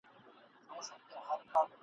چي راغلی یې پر ځان د مرګ ساعت وي ..